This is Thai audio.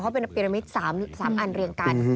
เพราะเป็นพิรามิตร๓อันเรียงกัน